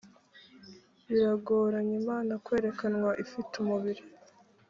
biragoranye imana kwerekanwa ifite umubiri